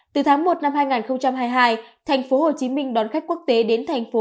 từ tháng một năm hai nghìn hai mươi hai thành phố hồ chí minh đón khách quốc tế đến thành phố